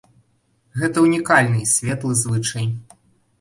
Гэта ўнікальны і светлы звычай.